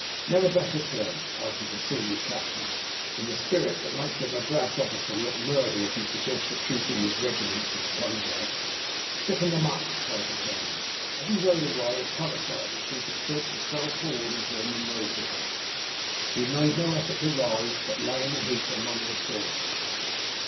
"Never better, sir," answered the senior captain, in the spirit that makes a Madras officer look murder if you suggest recruiting his regiment from the Punjab. "Stiffen them up!" cried the colonel. As he rode away a colour sergeant seemed to trip, and fell forward into a mimosa bush. He made no effort to rise, but lay in a heap among the thorns.